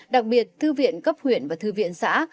đặc biệt thư viện cấp huyện và thư viện xã